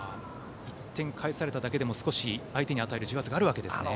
１点返されただけでも相手に与える重圧があるわけですね。